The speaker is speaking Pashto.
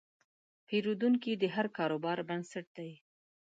پیرودونکی د هر کاروبار بنسټ دی.